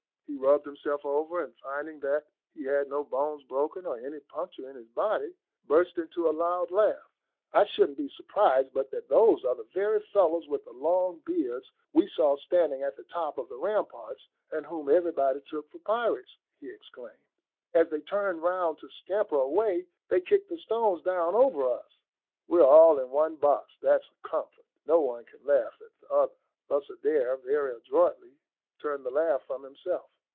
He rubbed himself over, and finding that he had no bones broken, or any puncture in his body, burst into a loud laugh. "I shouldn't be surprised but that those are the very fellows with the long beards we saw standing at the top of the ramparts, and whom everybody took for pirates," he exclaimed. "As they turned round to scamper away, they kicked the stones down over us. We are all in one box, that's a comfort. No one can laugh at the other." Thus Adair very adroitly turned the laugh from himself.